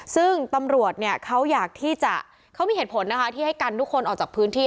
ซึ่งตำรวจเนี่ยเขาอยากที่จะเขามีเหตุผลนะคะที่ให้กันทุกคนออกจากพื้นที่